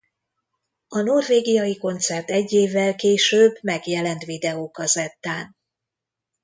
A norvégiai koncert egy évvel később megjelent videókazettán.